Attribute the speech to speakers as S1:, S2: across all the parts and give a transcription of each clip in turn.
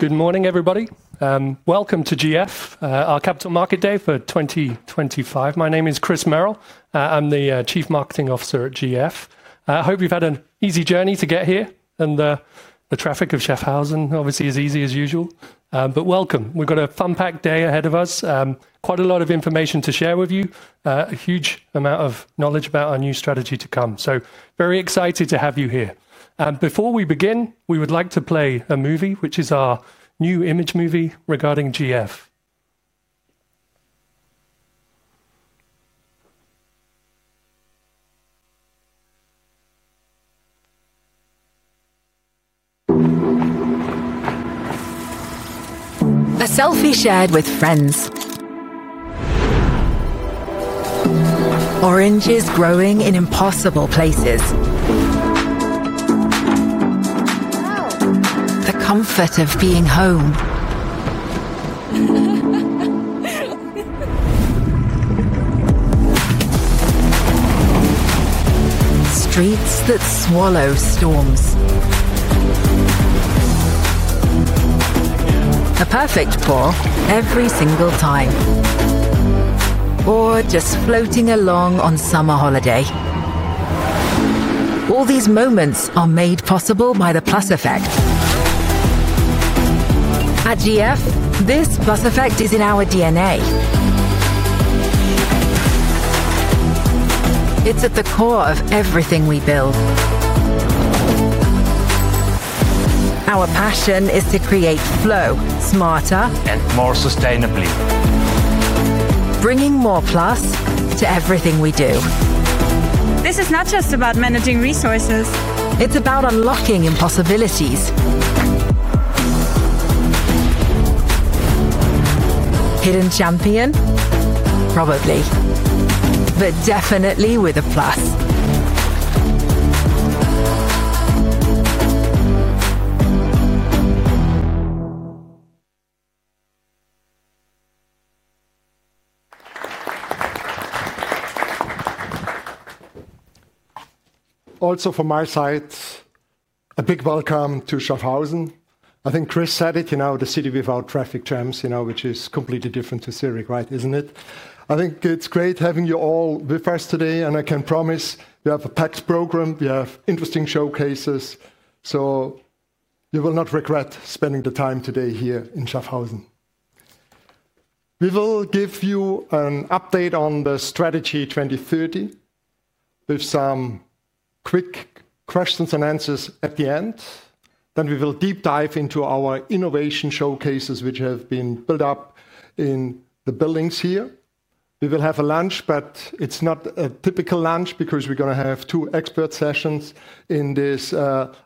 S1: Good morning, everybody. Welcome to GF, our Capital Market Day for 2025. My name is Chris Merrill. I'm the Chief Marketing Officer at GF. I hope you've had an easy journey to get here, and the traffic of Schaffhausen obviously is easy as usual. Welcome. We've got a fun-packed day ahead of us, quite a lot of information to share with you, a huge amount of knowledge about our new strategy to come. Very excited to have you here. Before we begin, we would like to play a movie, which is our new image movie regarding GF. A selfie shared with friends. Oranges growing in impossible places. The comfort of being home. Streets that swallow storms. A perfect pour every single time. Or just floating along on summer holiday. All these moments are made possible by the Plus Effect. At GF, this Plus Effect is in our DNA. It's at the core of everything we build. Our passion is to create flow, smarter. More sustainably. Bringing more plus to everything we do. This is not just about managing resources. It's about unlocking impossibilities. Hidden champion? Probably. Definitely with a plus.
S2: Also, from my side, a big welcome to Schaffhausen. I think Chris said it, you know, the city without traffic jams, you know, which is completely different to Zurich, right? Isn't it? I think it's great having you all with us today, and I can promise we have a packed program, we have interesting showcases, so. You will not regret spending the time today here in Schaffhausen. We will give you an update on the Strategy 2030. With some quick questions and answers at the end. Then we will deep dive into our innovation showcases, which have been built up in the buildings here. We will have a lunch, but it's not a typical lunch because we're going to have two expert sessions in this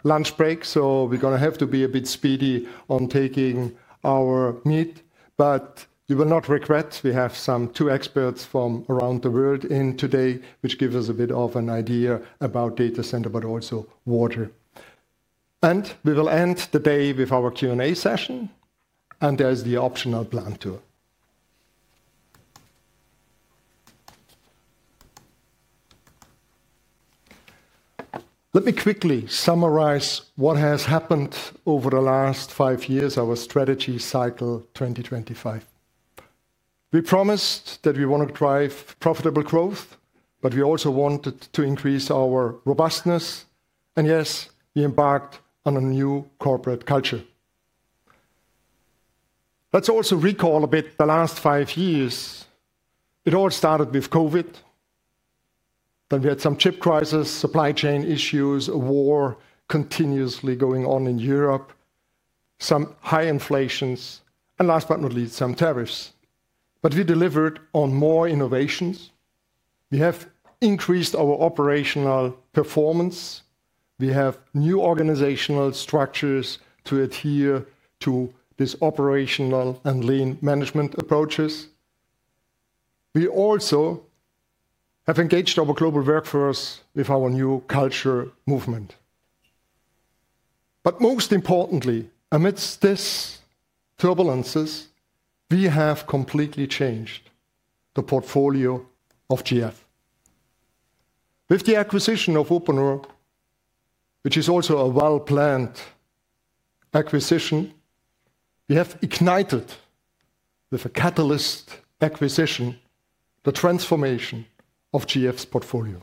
S2: lunch break, so we're going to have to be a bit speedy on taking our meat. But you will not regret we have some two experts from around the world in today, which gives us a bit of an idea about data center, but also water. We will end the day with our Q&A session, and there's the optional plant tour. Let me quickly summarize what has happened over the last five years of our strategy cycle 2025. We promised that we want to drive profitable growth, but we also wanted to increase our robustness. Yes, we embarked on a new corporate culture. Let's also recall a bit the last five years. It all started with COVID. Then we had some chip crisis, supply chain issues, a war continuously going on in Europe, some high inflations, and last but not least, some tariffs. We delivered on more innovations. We have increased our operational performance. We have new organizational structures to adhere to this operational and lean management approaches. We also have engaged our global workforce with our new culture movement. Most importantly, amidst this turbulence, we have completely changed the portfolio of GF. With the acquisition of Uponor. Which is also a well-planned acquisition. We have ignited, with a catalyst acquisition, the transformation of GF's portfolio.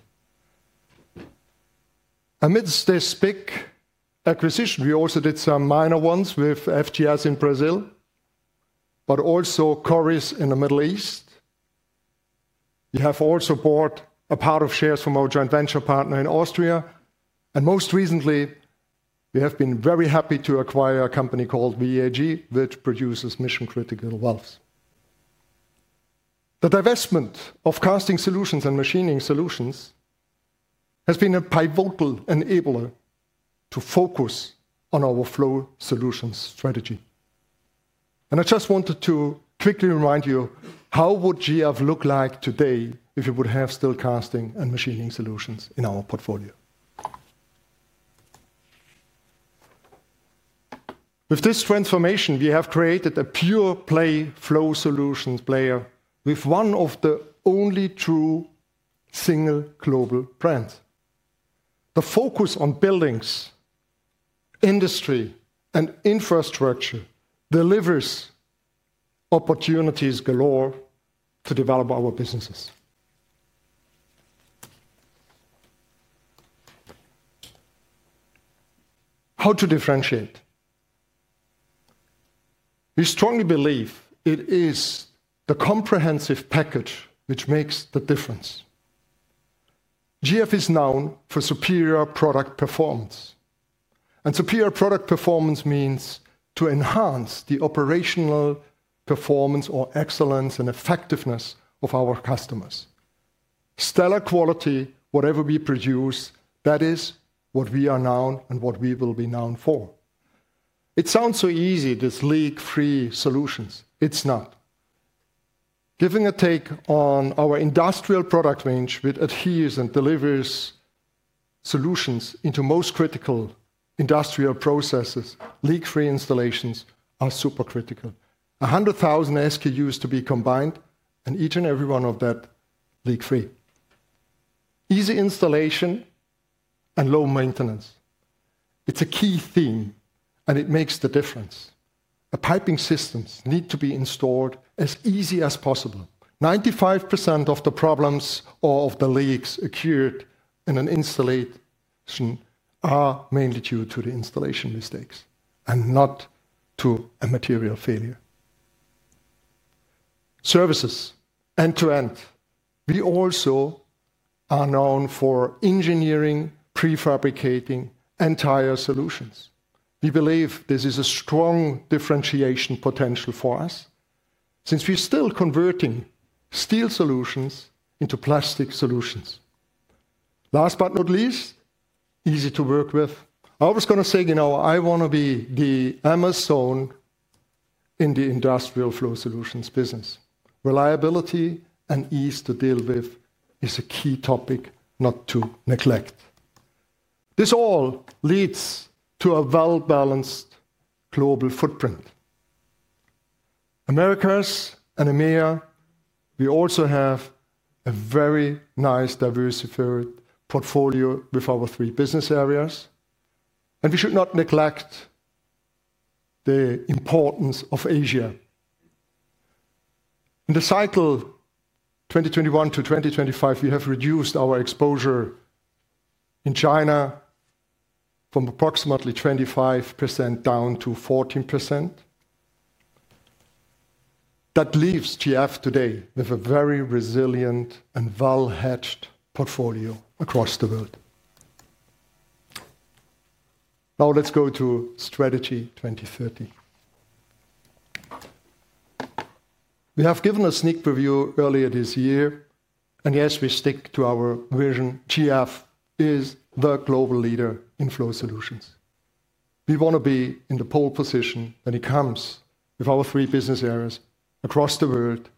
S2: Amidst this big acquisition, we also did some minor ones with FGS in Brazil, but also Coris in the Middle East. We have also bought a part of shares from our joint venture partner in Austria. Most recently, we have been very happy to acquire a company called VAG, which produces mission-critical valves. The divestment of Casting Solutions and Machining Solutions has been a pivotal enabler to focus on our Flow Solutions strategy. I just wanted to quickly remind you, how would GF look like today if we would have still Casting and Machining Solutions in our portfolio? With this transformation, we have created a pure-play Flow Solutions player with one of the only true single global brands. The focus on buildings, industry and infrastructure delivers opportunities galore to develop our businesses. How to differentiate? We strongly believe it is the comprehensive package which makes the difference. GF is known for superior product performance. Superior product performance means to enhance the operational performance or excellence and effectiveness of our customers. Stellar quality, whatever we produce, that is what we are known and what we will be known for. It sounds so easy, this leak-free solutions. It's not. Giving a take on our industrial product range which adheres and delivers solutions into most critical industrial processes, leak-free installations are super critical. 100,000 SKUs to be combined, and each and every one of that leak-free. Easy installation and low maintenance. It's a key theme, and it makes the difference. The piping systems need to be installed as easy as possible. 95% of the problems or of the leaks occurred in an installation are mainly due to the installation mistakes and not to a material failure. Services, end to end. We also are known for engineering, prefabricating, and entire solutions. We believe this is a strong differentiation potential for us. Since we're still converting steel solutions into plastic solutions. Last but not least, easy to work with. I was going to say, you know, I want to be the Amazon in the industrial flow solutions business. Reliability and ease to deal with is a key topic not to neglect. This all leads to a well-balanced global footprint. Americas and EMEA, we also have a very nice diversified portfolio with our three business areas. We should not neglect the importance of Asia. In the cycle 2021-2025, we have reduced our exposure in China from approximately 25% down to 14%. That leaves GF today with a very resilient and well-hedged portfolio across the world. Now let's go to Strategy 2030. We have given a sneak preview earlier this year, and yes, we stick to our vision. GF is the global leader in flow solutions. We want to be in the pole position when it comes with our three business areas across the world.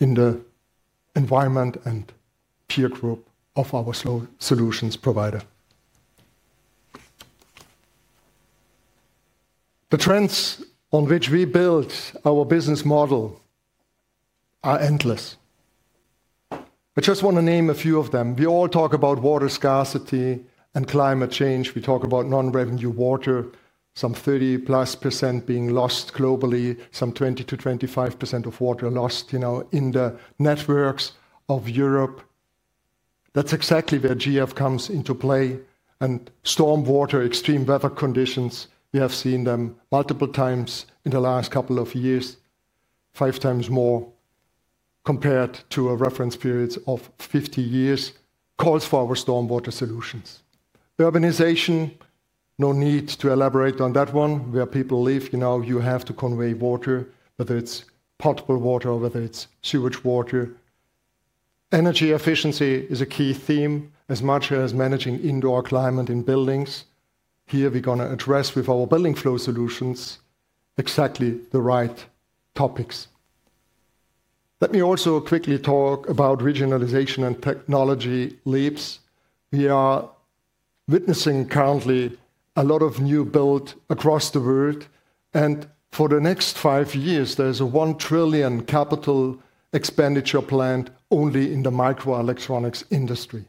S2: In the environment and peer group of our flow solutions provider. The trends on which we build our business model are endless. I just want to name a few of them. We all talk about water scarcity and climate change. We talk about non-revenue water, some 30%+ being lost globally, some 20%-25% of water lost, you know, in the networks of Europe. That's exactly where GF comes into play. Stormwater, extreme weather conditions, we have seen them multiple times in the last couple of years, five times more compared to a reference period of 50 years, calls for our stormwater solutions. Urbanization, no need to elaborate on that one. Where people live, you know, you have to convey water, whether it's potable water, whether it's sewage water. Energy efficiency is a key theme, as much as managing indoor climate in buildings. Here, we're going to address with our building flow solutions exactly the right topics. Let me also quickly talk about regionalization and technology leaps. We are. Witnessing currently a lot of new build across the world. For the next five years, there's a 1 trillion capital expenditure planned only in the microelectronics industry.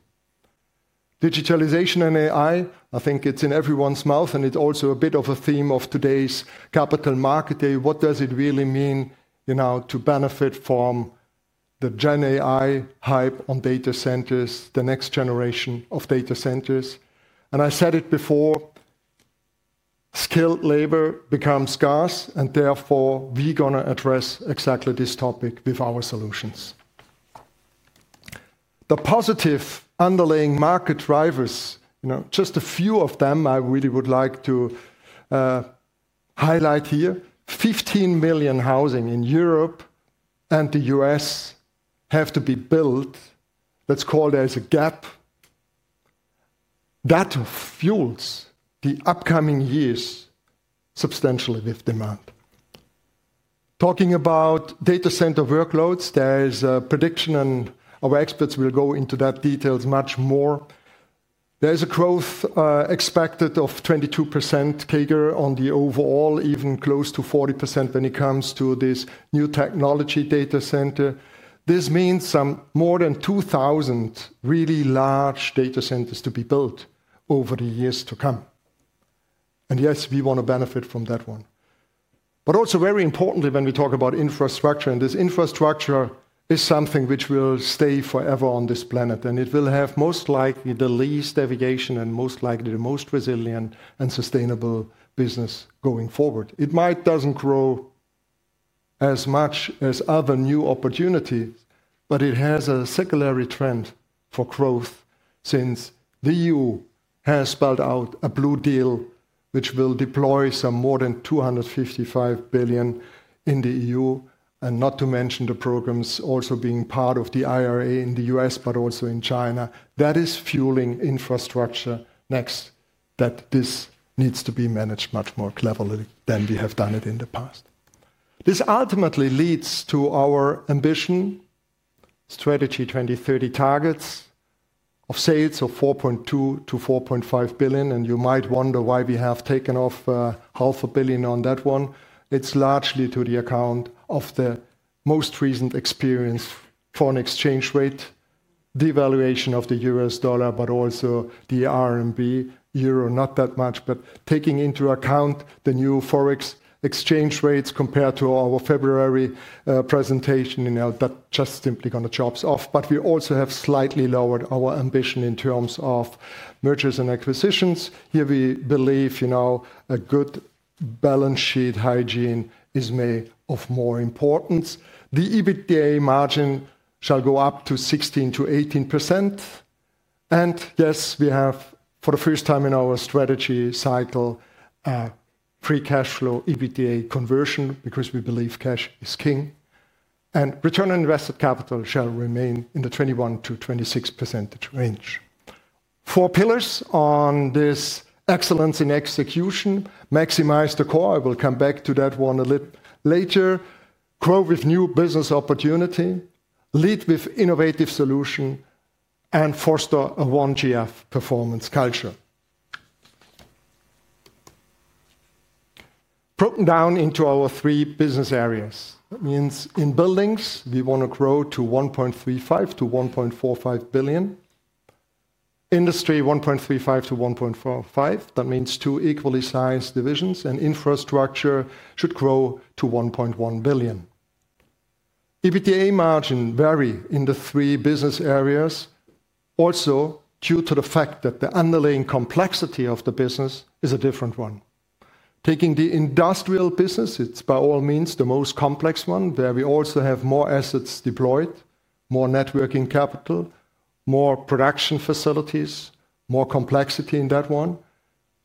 S2: Digitalization and AI, I think it's in everyone's mouth, and it's also a bit of a theme of today's capital market day. What does it really mean, you know, to benefit from the Gen AI hype on data centers, the next generation of data centers? I said it before. Skilled labor becomes scarce, and therefore we're going to address exactly this topic with our solutions. The positive underlying market drivers, you know, just a few of them I really would like to highlight here. Fifteen million housing in Europe and the U.S. have to be built. Let's call there's a gap. That fuels the upcoming years substantially with demand. Talking about data center workloads, there's a prediction and our experts will go into that details much more. There's a growth expected of 22% CAGR on the overall, even close to 40% when it comes to this new technology data center. This means some more than 2,000 really large data centers to be built over the years to come. Yes, we want to benefit from that one. Also very importantly, when we talk about infrastructure, and this infrastructure is something which will stay forever on this planet, and it will have most likely the least deviation and most likely the most resilient and sustainable business going forward. It might not grow as much as other new opportunities, but it has a secondary trend for growth since the EU has spelled out a blue deal which will deploy some more than 255 billion in the EU, and not to mention the programs also being part of the IRA in the U.S., but also in China. That is fueling infrastructure next, that this needs to be managed much more cleverly than we have done it in the past. This ultimately leads to our ambition. Strategy 2030 targets of sales of 4.2-4.5 billion. You might wonder why we have taken off 500 million on that one. It's largely to the account of the most recent experience for an exchange rate, devaluation of the U.S. dollar, but also the RMB, euro not that much, but taking into account the new Forex exchange rates compared to our February presentation, you know, that just simply kind of chops off. We also have slightly lowered our ambition in terms of mergers and acquisitions. Here we believe, you know, a good balance sheet hygiene is made of more importance. The EBITDA margin shall go up to 16%-18%. For the first time in our strategy cycle, we have free cash flow EBITDA conversion because we believe cash is king. Return on invested capital shall remain in the 21%-26% range. Four pillars on this: excellence in execution, maximize the core. I will come back to that one a little later. Grow with new business opportunity, lead with innovative solution, and foster a one GF performance culture. Broken down into our three business areas. That means in buildings, we want to grow to 1.35 billion-1.45 billion. Industry, 1.35 billion-1.45 billion. That means two equally sized divisions, and infrastructure should grow to 1.1 billion. EBITDA margin vary in the three business areas. Also due to the fact that the underlying complexity of the business is a different one. Taking the industrial business, it is by all means the most complex one where we also have more assets deployed, more networking capital, more production facilities, more complexity in that one.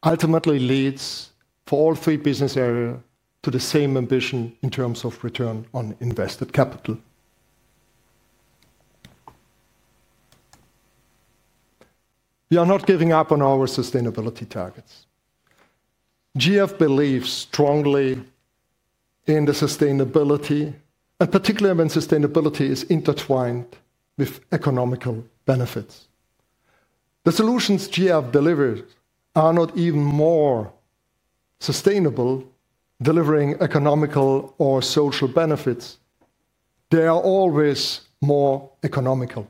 S2: Ultimately leads for all three business areas to the same ambition in terms of return on invested capital. We are not giving up on our sustainability targets. GF believes strongly. In the sustainability, and particularly when sustainability is intertwined with economical benefits. The solutions GF delivers are not even more. Sustainable. Delivering economical or social benefits. They are always more economical.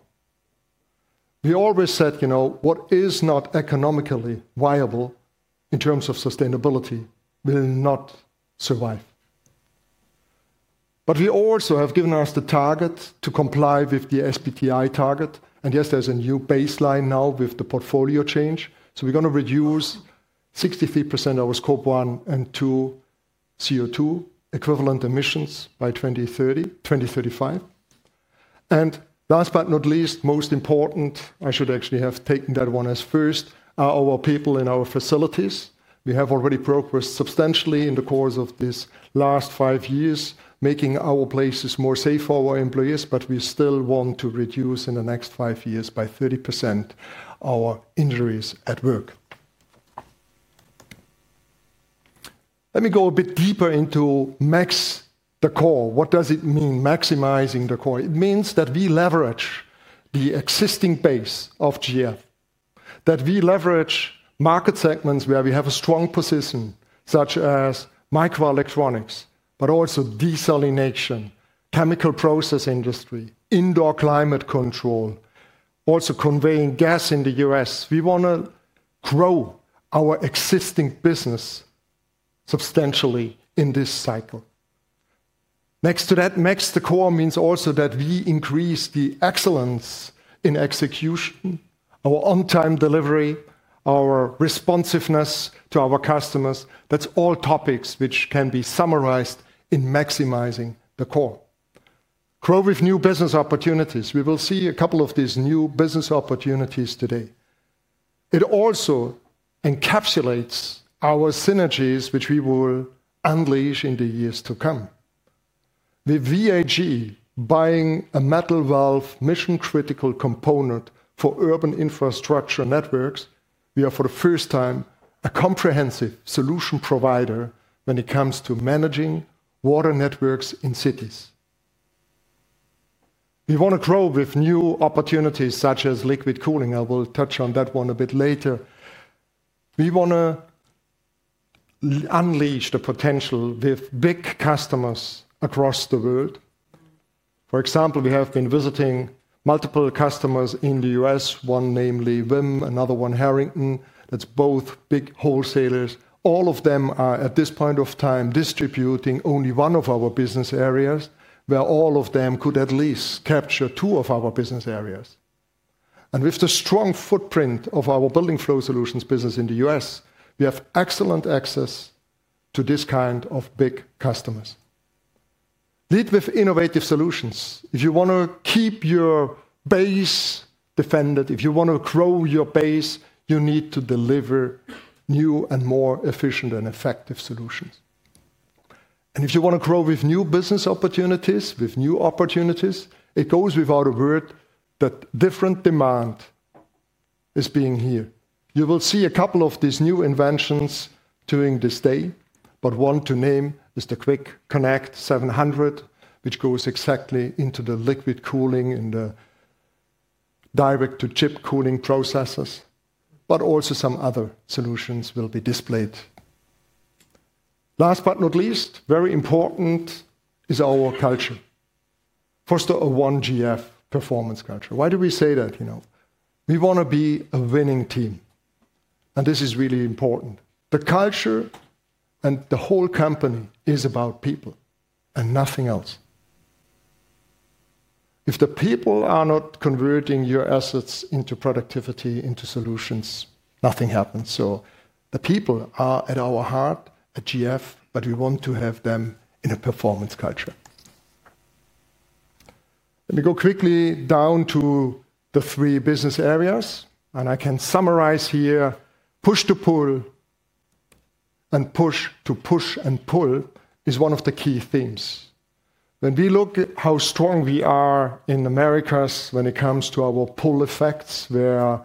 S2: We always said, you know, what is not economically viable in terms of sustainability will not survive. We also have given ourselves the target to comply with the SBTi target. Yes, there is a new baseline now with the portfolio change. We are going to reduce 63% of our Scope 1 and 2 CO₂ equivalent emissions by 2030, 2035. Last but not least, most important, I should actually have taken that one as first, are our people in our facilities. We have already progressed substantially in the course of these last five years, making our places more safe for our employees. We still want to reduce in the next five years by 30% our injuries at work. Let me go a bit deeper into max the core. What does it mean maximizing the core? It means that we leverage the existing base of GF, that we leverage market segments where we have a strong position, such as microelectronics, but also desalination, chemical process industry, indoor climate control, also conveying gas in the U.S. We want to grow our existing business substantially in this cycle. Next to that, max the core means also that we increase the excellence in execution, our on-time delivery, our responsiveness to our customers. That is all topics which can be summarized in maximizing the core. Grow with new business opportunities. We will see a couple of these new business opportunities today. It also encapsulates our synergies which we will unleash in the years to come. With VAG buying a metal valve mission-critical component for urban infrastructure networks, we are for the first time a comprehensive solution provider when it comes to managing water networks in cities. We want to grow with new opportunities such as liquid cooling. I will touch on that one a bit later. We want to unleash the potential with big customers across the world. For example, we have been visiting multiple customers in the U.S., one namely WIM, another one Harrington. That's both big wholesalers. All of them are at this point of time distributing only one of our business areas where all of them could at least capture two of our business areas. With the strong footprint of our building flow solutions business in the U.S., we have excellent access to this kind of big customers. Lead with innovative solutions. If you want to keep your base defended, if you want to grow your base, you need to deliver new and more efficient and effective solutions. If you want to grow with new business opportunities, with new opportunities, it goes without a word that different demand is being here. You will see a couple of these new inventions during this day, but one to name is the Quick Connect 700, which goes exactly into the liquid cooling and the direct-to-chip cooling processes, but also some other solutions will be displayed. Last but not least, very important is our culture. Foster a one GF performance culture. Why do we say that? You know, we want to be a winning team. This is really important. The culture and the whole company is about people. And nothing else. If the people are not converting your assets into productivity, into solutions, nothing happens. The people are at our heart at GF, but we want to have them in a performance culture. Let me go quickly down to the three business areas, and I can summarize here. Push to pull. Push to push and pull is one of the key themes. When we look at how strong we are in Americas when it comes to our pull effects, where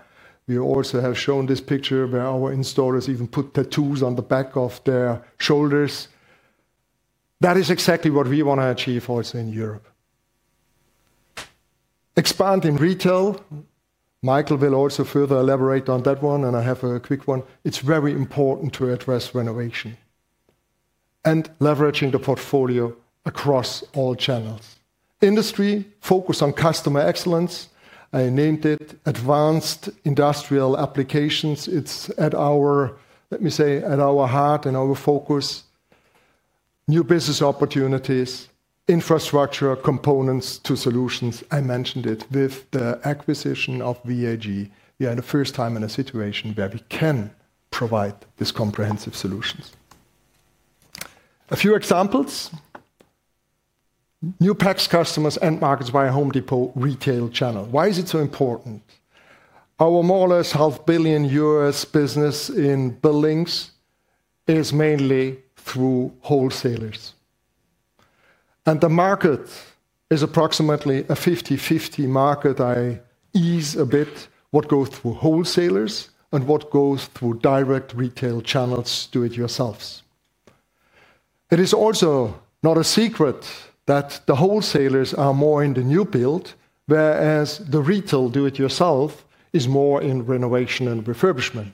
S2: we also have shown this picture where our installers even put tattoos on the back of their shoulders. That is exactly what we want to achieve also in Europe. Expand in retail. Michael will also further elaborate on that one, and I have a quick one. It's very important to address renovation. Leveraging the portfolio across all channels. Industry focus on customer excellence. I named it advanced industrial applications. It's at our, let me say, at our heart and our focus. New business opportunities, infrastructure components to solutions. I mentioned it with the acquisition of VAG. We are the first time in a situation where we can provide these comprehensive solutions. A few examples. New PAX customers and markets by a Home Depot retail channel. Why is it so important? Our more or less half billion U.S. business in buildings is mainly through wholesalers. The market is approximately a 50-50 market. I ease a bit what goes through wholesalers and what goes through direct retail channels to do it yourselves. It is also not a secret that the wholesalers are more in the new build, whereas the retail do-it-yourself is more in renovation and refurbishment.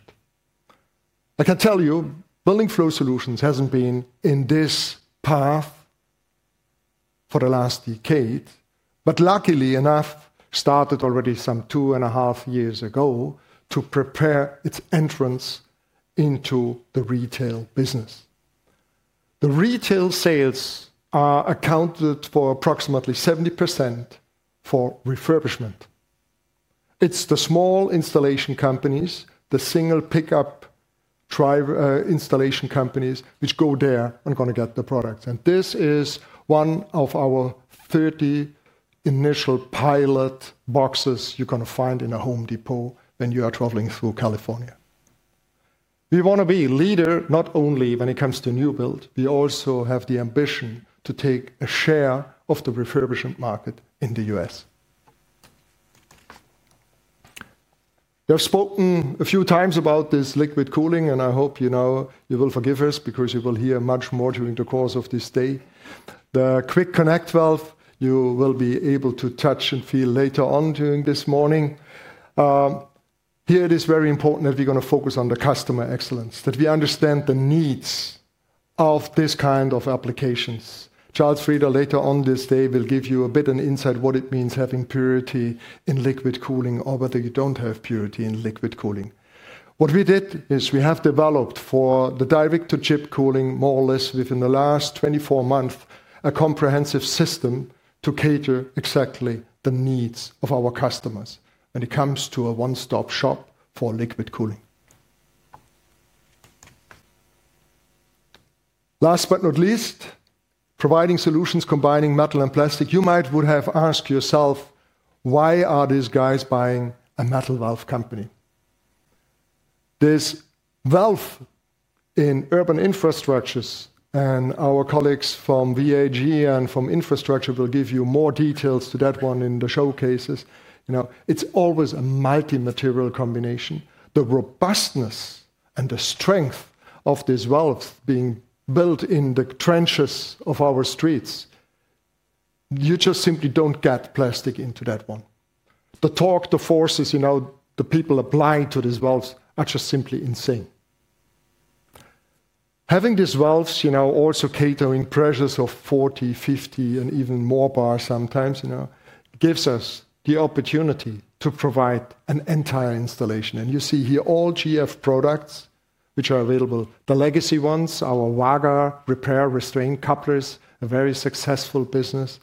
S2: I can tell you Building Flow Solutions hasn't been in this path for the last decade, but luckily enough, started already some two and a half years ago to prepare its entrance into the retail business. The retail sales are accounted for approximately 70% for refurbishment. It's the small installation companies, the single pickup installation companies which go there and going to get the products. This is one of our 30 initial pilot boxes you're going to find in a Home Depot when you are traveling through California. We want to be a leader not only when it comes to new build, we also have the ambition to take a share of the refurbishment market in the U.S. I've spoken a few times about this liquid cooling, and I hope you know you will forgive us because you will hear much more during the course of this day. The Quick Connect valve you will be able to touch and feel later on during this morning. Here it is very important that we're going to focus on the customer excellence, that we understand the needs of this kind of applications. Charles Frieda later on this day will give you a bit of insight what it means having purity in liquid cooling or whether you don't have purity in liquid cooling. What we did is we have developed for the direct-to-chip cooling more or less within the last 24 months a comprehensive system to cater exactly to the needs of our customers when it comes to a one-stop shop for liquid cooling. Last but not least, providing solutions combining metal and plastic. You might have asked yourself, why are these guys buying a metal valve company? This valve in urban infrastructures and our colleagues from VAG and from infrastructure will give you more details to that one in the showcases. You know, it's always a multi-material combination. The robustness and the strength of this valve being built in the trenches of our streets. You just simply don't get plastic into that one. The torque, the forces, you know, the people applying to these valves are just simply insane. Having these valves, you know, also catering pressures of 40, 50, and even more bars sometimes, you know, gives us the opportunity to provide an entire installation. You see here all GF products which are available, the legacy ones, our WAGA repair restraint couplers, a very successful business.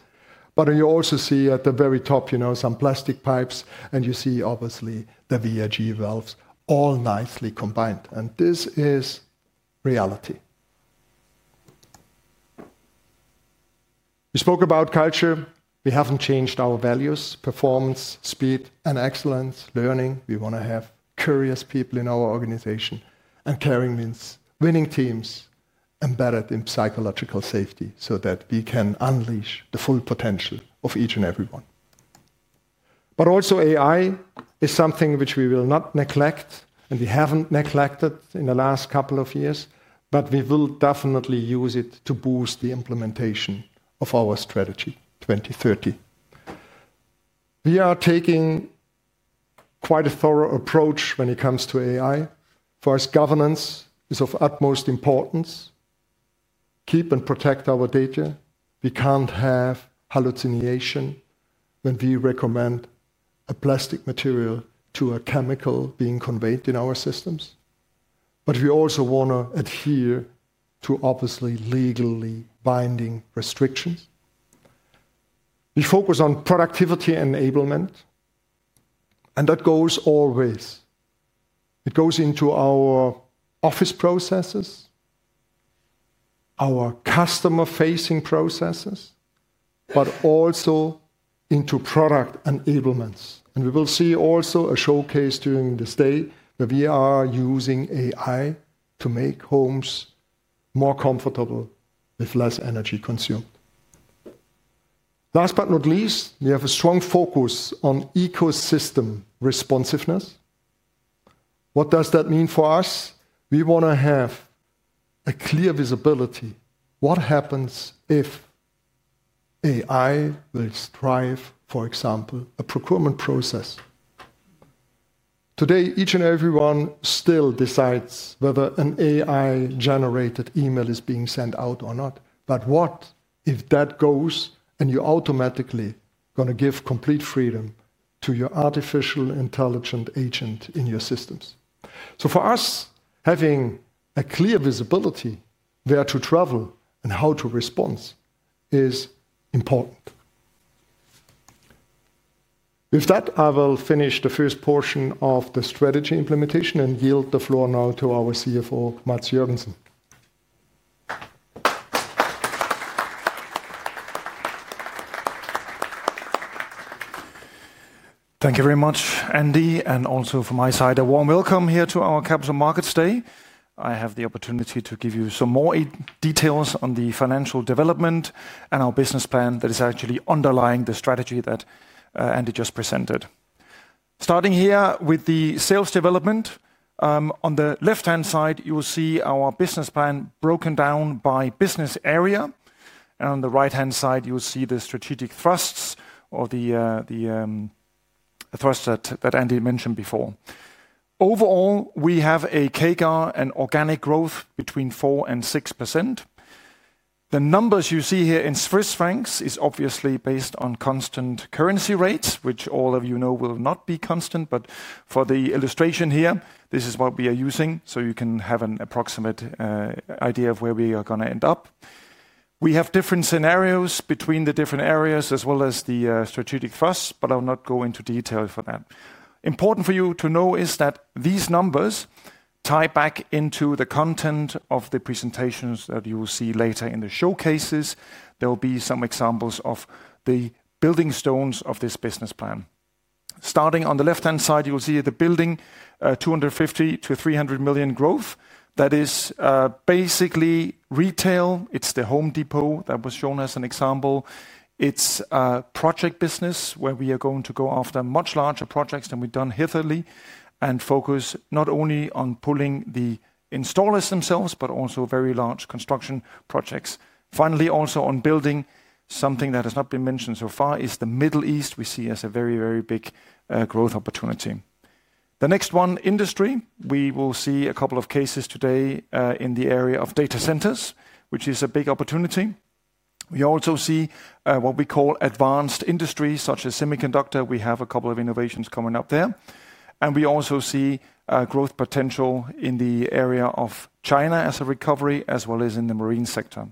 S2: You also see at the very top, you know, some plastic pipes, and you see obviously the VAG valves all nicely combined. This is reality. We spoke about culture. We haven't changed our values: performance, speed, and excellence, learning. We want to have curious people in our organization and caring means winning teams embedded in psychological safety so that we can unleash the full potential of each and every one. But also AI is something which we will not neglect, and we haven't neglected in the last couple of years, but we will definitely use it to boost the implementation of our Strategy 2030. We are taking quite a thorough approach when it comes to AI. For us, governance is of utmost importance. Keep and protect our data. We can't have hallucination when we recommend a plastic material to a chemical being conveyed in our systems. We also want to adhere to obviously legally binding restrictions. We focus on productivity enablement. That goes always. It goes into our office processes, our customer-facing processes, but also into product enablements. We will see also a showcase during this day where we are using AI to make homes more comfortable with less energy consumed. Last but not least, we have a strong focus on ecosystem responsiveness. What does that mean for us? We want to have a clear visibility. What happens if AI will strive, for example, a procurement process? Today, each and every one still decides whether an AI-generated email is being sent out or not. What if that goes and you automatically going to give complete freedom to your artificial intelligent agent in your systems? For us, having a clear visibility where to travel and how to respond is important. With that, I will finish the first portion of the strategy implementation and yield the floor now to our CFO, Mads Jørgensen.
S3: Thank you very much, Andy. Also from my side, a warm welcome here to our Capital Markets Day. I have the opportunity to give you some more details on the financial development and our business plan that is actually underlying the strategy that Andy just presented. Starting here with the sales development. On the left-hand side, you will see our business plan broken down by business area. On the right-hand side, you will see the strategic thrusts or the thrust that Andy mentioned before. Overall, we have a KGAR and organic growth between 4% and 6%. The numbers you see here in Swiss francs are obviously based on constant currency rates, which all of you know will not be constant. For the illustration here, this is what we are using. You can have an approximate idea of where we are going to end up. We have different scenarios between the different areas as well as the strategic thrusts, but I will not go into detail for that. Important for you to know is that these numbers tie back into the content of the presentations that you will see later in the showcases. There will be some examples of the building stones of this business plan. Starting on the left-hand side, you will see the building 250 million-300 million growth. That is basically retail. It's the Home Depot that was shown as an example. It's a project business where we are going to go after much larger projects than we've done hitherto and focus not only on pulling the installers themselves, but also very large construction projects. Finally, also on building, something that has not been mentioned so far is the Middle East we see as a very, very big growth opportunity. The next one, industry, we will see a couple of cases today in the area of data centers, which is a big opportunity. We also see what we call advanced industries such as semiconductor. We have a couple of innovations coming up there. We also see growth potential in the area of China as a recovery, as well as in the marine sector.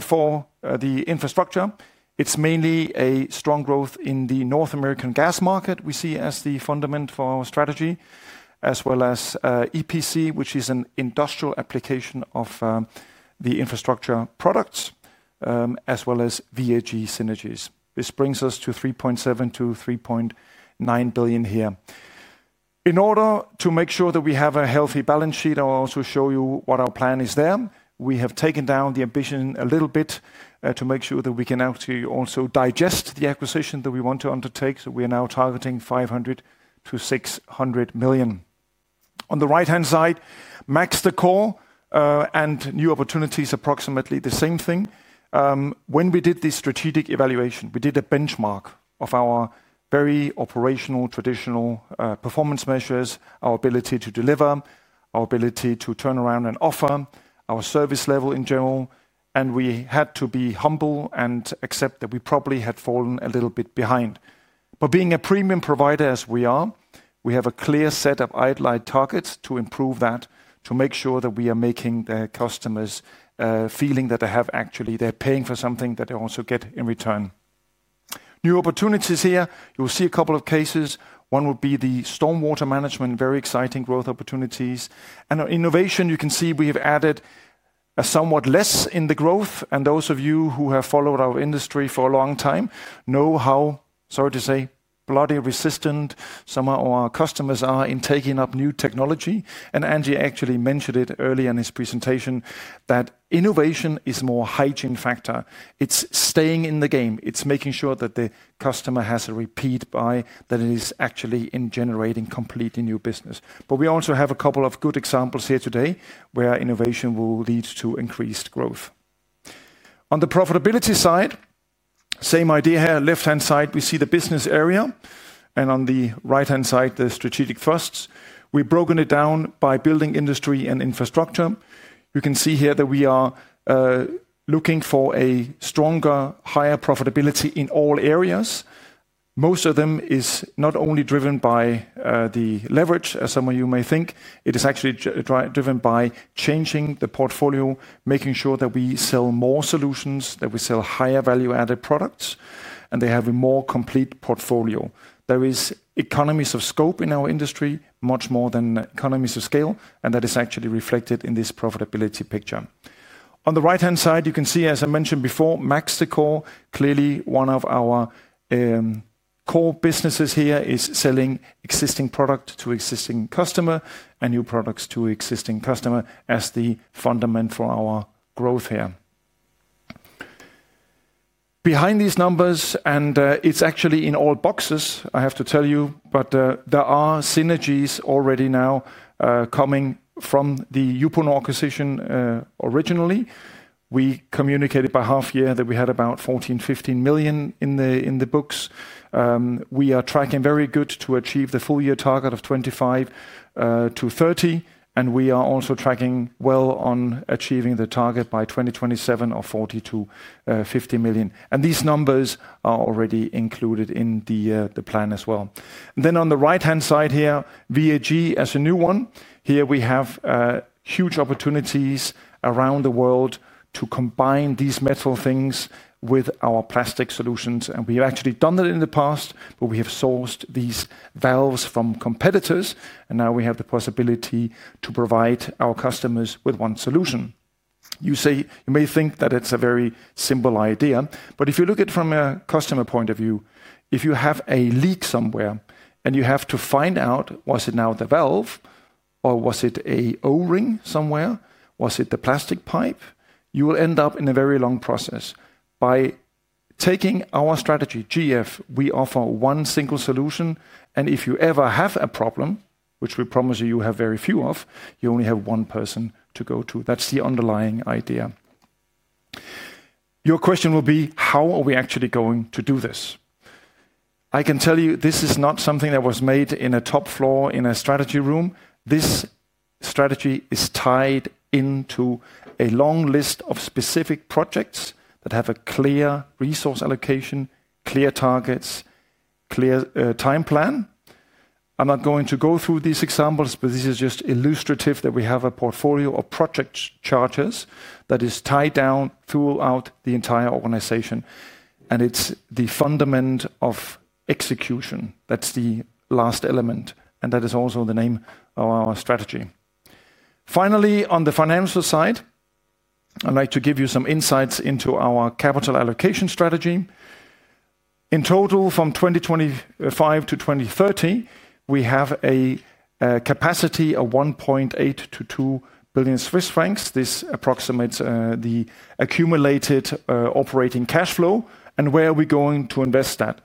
S3: For the infrastructure, it's mainly a strong growth in the North American gas market we see as the fundament for our strategy, as well as EPC, which is an industrial application of the infrastructure products, as well as VAG synergies. This brings us to 3.7 billion-3.9 billion here. In order to make sure that we have a healthy balance sheet, I'll also show you what our plan is there. We have taken down the ambition a little bit to make sure that we can actually also digest the acquisition that we want to undertake. We are now targeting 500 million-600 million. On the right-hand side, Max Decor and new opportunities, approximately the same thing. When we did this strategic evaluation, we did a benchmark of our very operational, traditional performance measures, our ability to deliver, our ability to turn around and offer our service level in general. We had to be humble and accept that we probably had fallen a little bit behind. Being a premium provider as we are, we have a clear set of outlier targets to improve that, to make sure that we are making the customers feel that they have actually, they're paying for something that they also get in return. New opportunities here. You'll see a couple of cases. One would be the stormwater management, very exciting growth opportunities. In innovation, you can see we have added a somewhat less in the growth. Those of you who have followed our industry for a long time know how, sorry to say, bloody resistant some of our customers are in taking up new technology. Andy actually mentioned it earlier in his presentation that innovation is more hygiene factor. It's staying in the game. It's making sure that the customer has a repeat buy that is actually in generating completely new business. We also have a couple of good examples here today where innovation will lead to increased growth. On the profitability side, same idea here. Left-hand side, we see the business area. On the right-hand side, the strategic thrusts. We've broken it down by building, industry, and infrastructure. You can see here that we are looking for a stronger, higher profitability in all areas. Most of them is not only driven by the leverage, as some of you may think. It is actually driven by changing the portfolio, making sure that we sell more solutions, that we sell higher value-added products, and they have a more complete portfolio. There is economies of scope in our industry, much more than economies of scale, and that is actually reflected in this profitability picture. On the right-hand side, you can see, as I mentioned before, Max Decor, clearly one of our core businesses here is selling existing product to existing customer and new products to existing customer as the fundament for our growth here. Behind these numbers, and it's actually in all boxes, I have to tell you, but there are synergies already now coming from the Uponor acquisition originally. We communicated by half year that we had about 14 million-15 million in the books. We are tracking very good to achieve the full year target of 25 million-30 million, and we are also tracking well on achieving the target by 2027 of 40 million-50 million. And these numbers are already included in the plan as well. On the right-hand side here, VAG as a new one. Here we have huge opportunities around the world to combine these metal things with our plastic solutions. We have actually done that in the past, but we have sourced these valves from competitors, and now we have the possibility to provide our customers with one solution. You may think that it's a very simple idea, but if you look at it from a customer point of view, if you have a leak somewhere and you have to find out, was it now the valve or was it a O-ring somewhere? Was it the plastic pipe? You will end up in a very long process. By taking our strategy, GF, we offer one single solution. If you ever have a problem, which we promise you you have very few of, you only have one person to go to. That's the underlying idea. Your question will be, how are we actually going to do this? I can tell you this is not something that was made in a top floor in a strategy room. This strategy is tied into a long list of specific projects that have a clear resource allocation, clear targets, clear time plan. I'm not going to go through these examples, but this is just illustrative that we have a portfolio of project charges that is tied down throughout the entire organization. It's the fundament of execution. That's the last element. That is also the name of our strategy. Finally, on the financial side, I'd like to give you some insights into our capital allocation strategy. In total, from 2025-2030, we have a capacity of 1.8 billion-2 billion Swiss francs. This approximates the accumulated operating cash flow. Where are we going to invest that?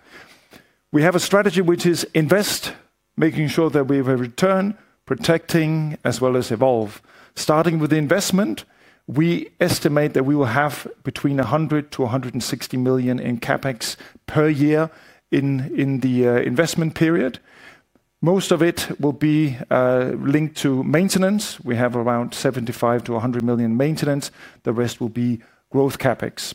S3: We have a strategy which is invest, making sure that we have a return, protecting, as well as evolve. Starting with the investment, we estimate that we will have between 100 million-160 million in CapEx per year in the investment period. Most of it will be linked to maintenance. We have around 75 million-100 million maintenance. The rest will be growth CapEx.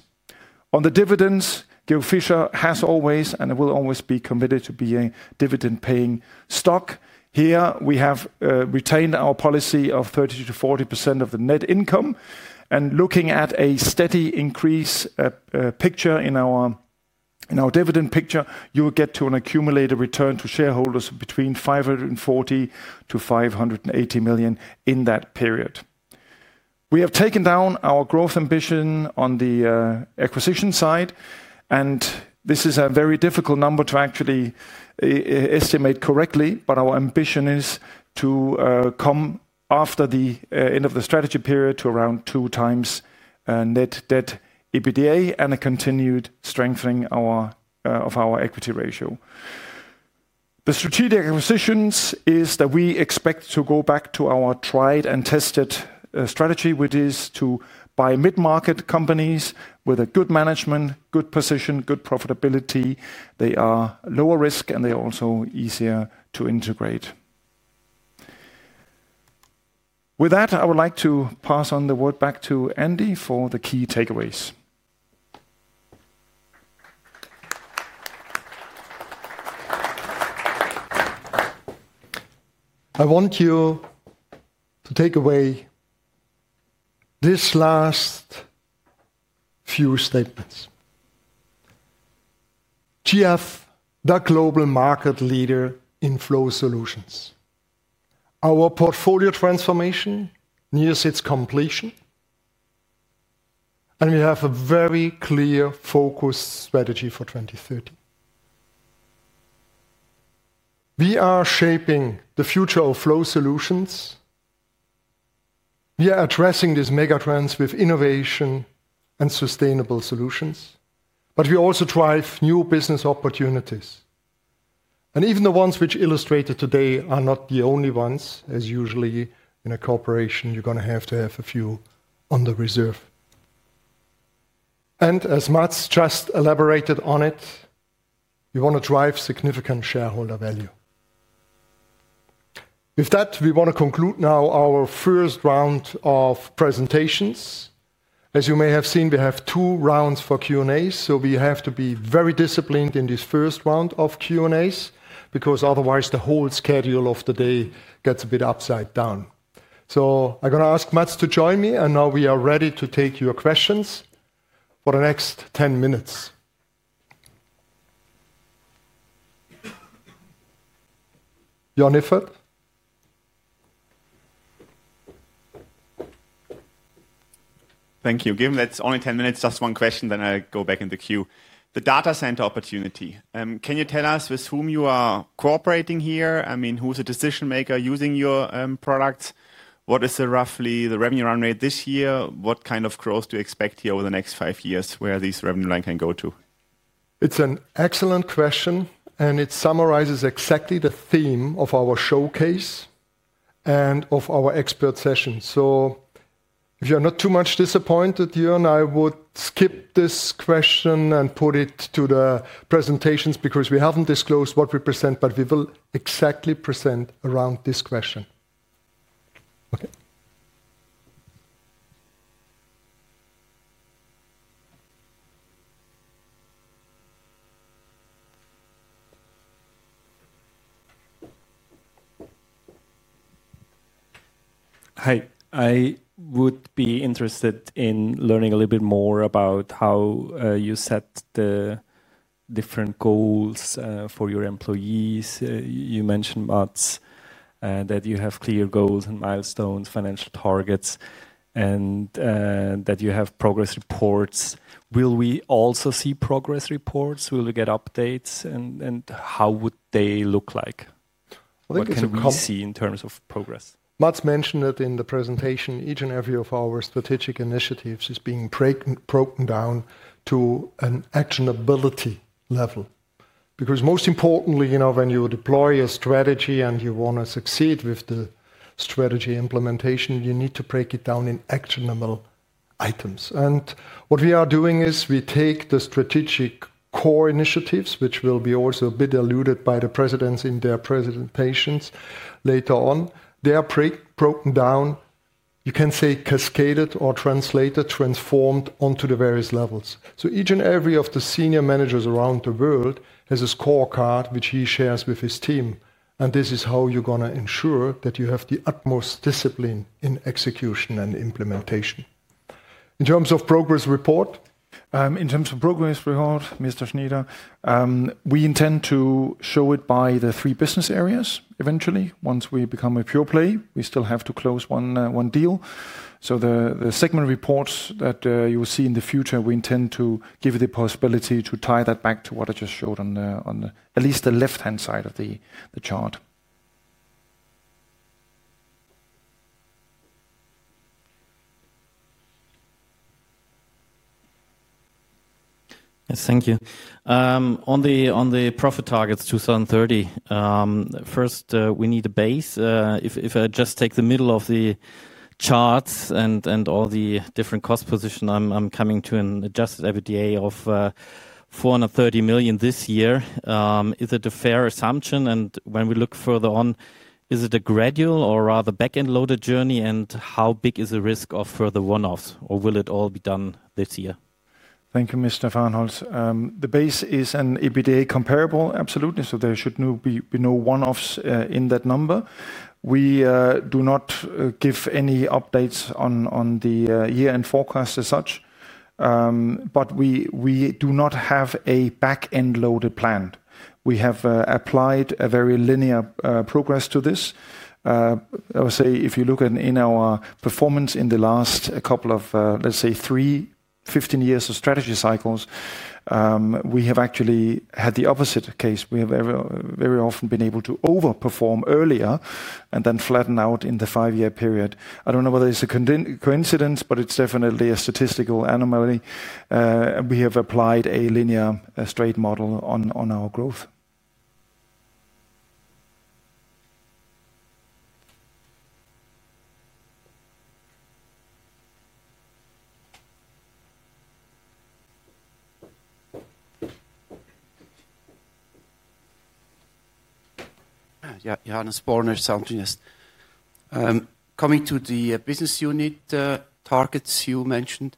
S3: On the dividends, Georg Fischer has always and will always be committed to being a dividend-paying stock. Here we have retained our policy of 30%-40% of the net income. Looking at a steady increase picture in our dividend picture, you will get to an accumulated return to shareholders between 540 million-580 million in that period. We have taken down our growth ambition on the acquisition side. This is a very difficult number to actually estimate correctly, but our ambition is to come after the end of the strategy period to around 2x net debt EBITDA and a continued strengthening of our equity ratio. The strategic acquisitions is that we expect to go back to our tried and tested strategy, which is to buy mid-market companies with a good management, good position, good profitability. They are lower risk and they are also easier to integrate. With that, I would like to pass on the word back to Andy for the key takeaways.
S2: I want you to take away this last few statements. GF, the global market leader in flow solutions. Our portfolio transformation nears its completion. We have a very clear focus strategy for 2030. We are shaping the future of flow solutions. We are addressing these megatrends with innovation and sustainable solutions, but we also drive new business opportunities. Even the ones which illustrated today are not the only ones. As usually in a corporation, you're going to have to have a few on the reserve. As Mads just elaborated on it, you want to drive significant shareholder value. With that, we want to conclude now our first round of presentations. As you may have seen, we have two rounds for Q&A, so we have to be very disciplined in this first round of Q&As because otherwise the whole schedule of the day gets a bit upside down. I'm going to ask Mads to join me, and now we are ready to take your questions for the next 10 minutes. Joern Iffert.
S4: Thank you, Jim. That's only 10 minutes. Just one question, then I'll go back in the queue. The data center opportunity. Can you tell us with whom you are cooperating here? I mean, who's a decision maker using your products? What is roughly the revenue run rate this year? What kind of growth do you expect here over the next five years where these revenue line can go to?
S2: It's an excellent question, and it summarizes exactly the theme of our showcase and of our expert session. If you're not too much disappointed, you and I would skip this question and put it to the presentations because we haven't disclosed what we present, but we will exactly present around this question. Okay. Hi. I would be interested in learning a little bit more about how you set the different goals for your employees. You mentioned, Mads, that you have clear goals and milestones, financial targets, and that you have progress reports. Will we also see progress reports? Will we get updates? And how would they look like? What can we see in terms of progress? Mads mentioned it in the presentation. Each and every one of our strategic initiatives is being broken down to an actionability level. Because most importantly, you know, when you deploy a strategy and you want to succeed with the strategy implementation, you need to break it down in actionable items. What we are doing is we take the strategic core initiatives, which will be also a bit alluded by the presidents in their presentations later on. They are broken down, you can say cascaded or translated, transformed onto the various levels. Each and every one of the senior managers around the world has a scorecard which he shares with his team. This is how you're going to ensure that you have the utmost discipline in execution and implementation. In terms of progress report, Mr. Schneider, we intend to show it by the three business areas eventually. Once we become a pure play, we still have to close one deal. The segment reports that you will see in the future, we intend to give you the possibility to tie that back to what I just showed on at least the left-hand side of the chart.
S5: Yes, thank you. On the profit targets 2030. First, we need a base. If I just take the middle of the charts and all the different cost positions, I'm coming to an adjusted EBITDA of 430 million this year. Is it a fair assumption? When we look further on, is it a gradual or rather back-end loaded journey? How big is the risk of further one-offs? Or will it all be done this year?
S2: Thank you, Mr. Fahnholz. The base is an EBITDA comparable, absolutely. There should be no one-offs in that number. We do not give any updates on the year-end forecast as such. We do not have a back-end loaded plan. We have applied a very linear progress to this. I would say if you look at our performance in the last couple of, let's say, three 15 years of strategy cycles, we have actually had the opposite case. We have very often been able to overperform earlier and then flatten out in the five-year period. I don't know whether it's a coincidence, but it's definitely a statistical anomaly. We have applied a linear straight model on our growth.
S6: Yeah, Johannes Börner, Santro Invest. Coming to the business unit targets you mentioned,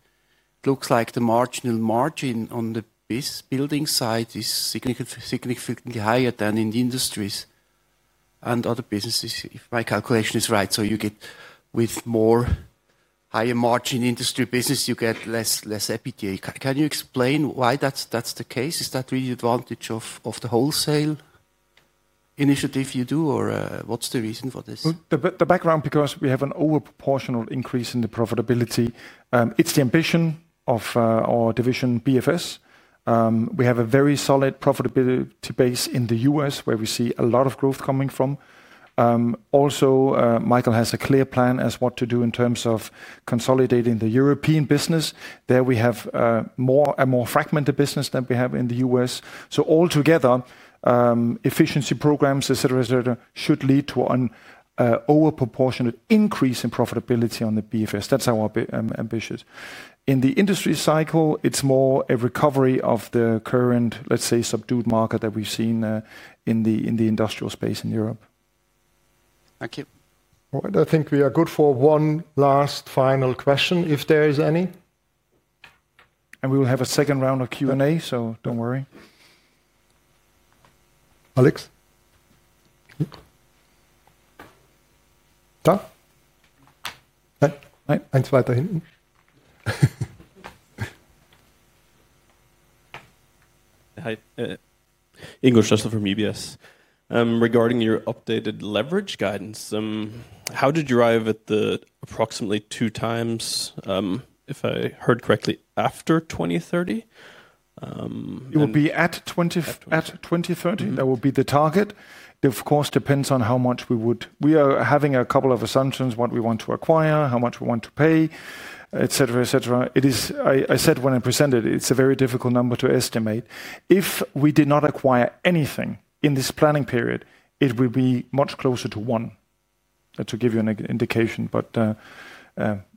S6: it looks like the marginal margin on the business building side is significantly higher than in the industries and other businesses, if my calculation is right, so you get with more higher margin industry business, you get less EBITDA. Can you explain why that's the case? Is that really the advantage of the wholesale initiative you do, or what's the reason for this?
S2: The background, because we have an overproportional increase in the profitability. It's the ambition of our division, BFS.cWe have a very solid profitability base in the U.S., where we see a lot of growth coming from. Also, Michael has a clear plan as what to do in terms of consolidating the European business. There we have a more fragmented business than we have in the U.S. Altogether, efficiency programs, et cetera, et cetera, should lead to an overproportionate increase in profitability on the BFS. That's our ambition. In the industry cycle, it's more a recovery of the current, let's say, subdued market that we've seen in the industrial space in Europe.
S1: Thank you. All right, I think we are good for one last final question, if there is any. We will have a second round of Q&A, so don't worry. Alex.
S7: Hi. Ingo Schuster from UBS. Regarding your updated leverage guidance, how did you arrive at the approximately two times, if I heard correctly, after 2030? It will be at 2030. That will be the target. Of course, it depends on how much we would. We are having a couple of assumptions, what we want to acquire, how much we want to pay, et cetera, et cetera. I said when I presented it, it's a very difficult number to estimate. If we did not acquire anything in this planning period, it would be much closer to one. That's to give you an indication, but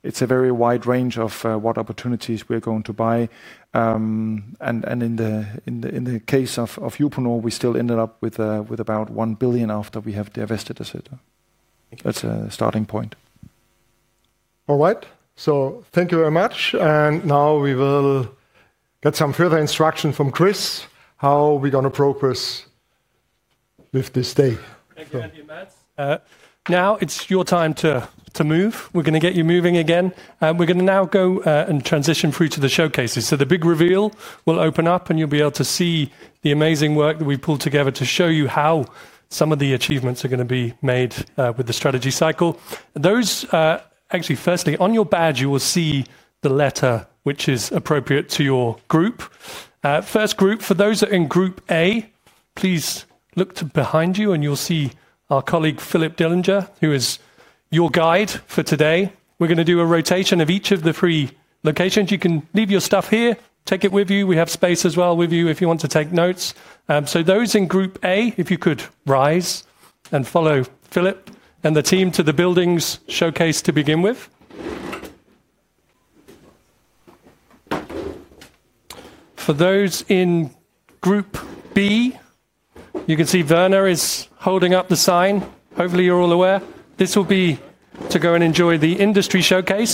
S7: it's a very wide range of what opportunities we are going to buy. In the case of Uponor, we still ended up with about 1 billion after we have divested, et cetera, that's a starting point.
S2: All right, so thank you very much. Now we will get some further instruction from Chris, how we're going to progress with this day.
S1: Thank you, Andy and Mads. Now it's your time to move. We're going to get you moving again. We're going to now go and transition through to the showcases. The big reveal will open up, and you'll be able to see the amazing work that we've pulled together to show you how some of the achievements are going to be made with the strategy cycle. Those, actually, firstly, on your badge, you will see the letter which is appropriate to your group. First group, for those that are in Group A, please look to behind you, and you'll see our colleague, Philip Dillinger, who is your guide for today. We're going to do a rotation of each of the three locations. You can leave your stuff here, take it with you. We have space as well with you if you want to take notes. Those in Group A, if you could rise and follow Philip and the team to the buildings showcase to begin with. For those in Group B, you can see Werner is holding up the sign. Hopefully, you're all aware. This will be to go and enjoy the industry showcase.